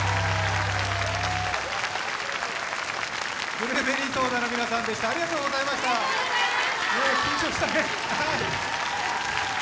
ブルーベリーソーダの皆さんでした、ありがとうございました緊張したね。